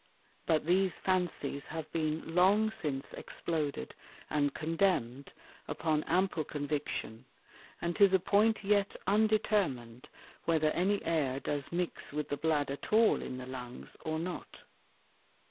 But these Fancies have been long since exploded and condemn'd upon ample Conviction; and 'tis a Point yet undetermin'd, whether any Air does mix with the Blood at all in the Lungs, or not.